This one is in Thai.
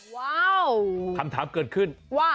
ว้าวว่าคำถามเกิดขึ้น